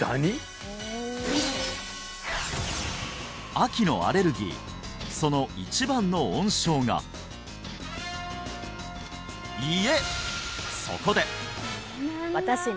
秋のアレルギーその一番の温床が家！